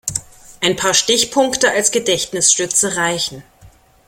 Ein paar Stichpunkte als Gedächtnisstütze reichen.